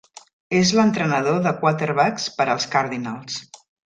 És l'entrenador de quarterbacks per als Cardinals.